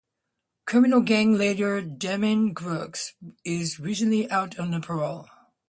Criminal gang leader Damien Brooks is recently out on parole.